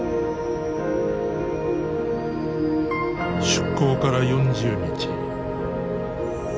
出港から４０日。